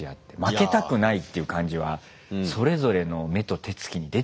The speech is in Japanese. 負けたくないっていう感じはそれぞれの目と手つきに出てたね。